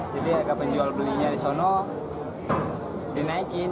jadi harga penjual belinya di sono dinaikin